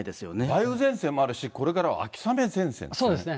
梅雨前線もあるし、これからそうですね。